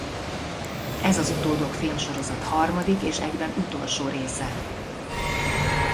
Ez az Utódok-filmsorozat harmadik és egyben utolsó része.